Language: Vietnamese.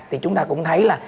thì chúng ta cũng thấy là